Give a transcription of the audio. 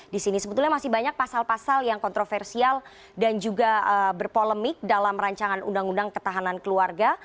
di sini sebetulnya masih banyak pasal pasal yang kontroversial dan juga berpolemik dalam rancangan undang undang ketahanan keluarga